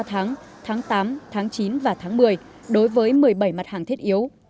ba tháng tháng tám tháng chín và tháng một mươi đối với một mươi bảy mặt hàng thiết yếu